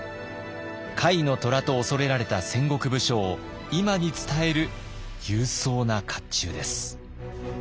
甲斐の虎と畏れられた戦国武将を今に伝える勇壮な甲冑です。